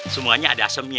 semuanya ada asemnya